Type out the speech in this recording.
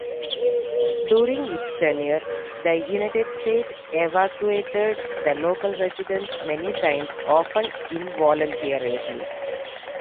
During its tenure, the United States evacuated the local residents many times, often involuntarily.